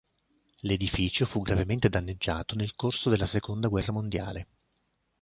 L'edificio fu gravemente danneggiato nel corso della seconda guerra mondiale.